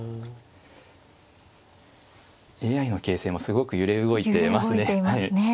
ＡＩの形勢もすごく揺れ動いてますね。